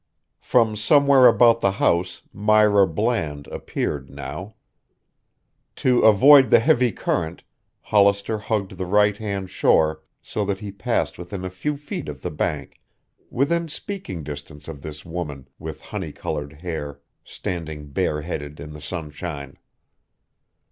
From somewhere about the house Myra Bland appeared now. To avoid the heavy current, Hollister hugged the right hand shore so that he passed within a few feet of the bank, within speaking distance of this woman with honey colored hair standing bareheaded in the sunshine.